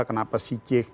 kenapa si cik